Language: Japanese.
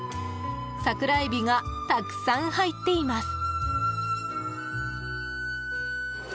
桜エビがたくさん入っています。